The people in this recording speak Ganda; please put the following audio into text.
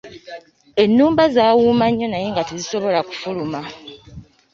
Ennumba zaawuuma nnyo naye nga tezisobola kufuluma.